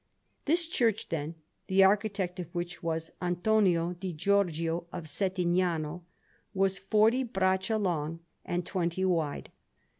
This church, then, the architect of which was Antonio di Giorgio of Settignano, was forty braccia long and twenty wide.